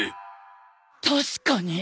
確かに！